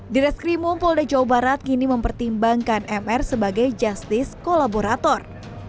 di restri mumpol dajau barat kini mempertimbangkan mr sebagai justice kolaborator